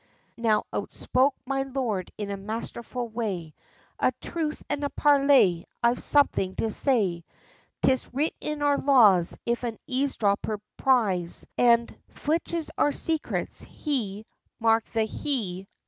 Now outspoke my lord in a masterful way, 'A truce and a parley! I've something to say! 'Tis writ in our laws "If an eavesdropper pries And filches our secrets, he (mark the HE!)